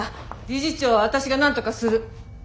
理事長は私がなんとかする。